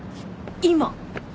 今。